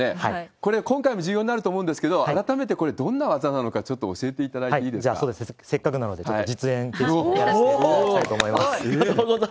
これ、今回も重要になると思うんですけれども、改めてこれ、どんな技なのか、ちょっと教えていたせっかくなので、ちょっと実演をやらせていただきたいと思います。